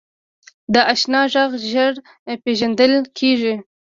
د اشنا غږ ژر پیژندل کېږي